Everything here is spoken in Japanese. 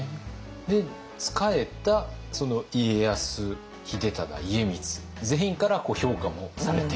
で仕えた家康秀忠家光全員から評価もされている。